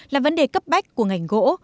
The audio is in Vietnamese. là vấn đề cấp bách của ngành gỗ